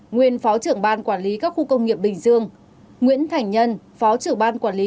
nguyên phó trưởng ban quản lý các khu công nghiệp bình dương nguyễn thành nhân phó trưởng ban quản lý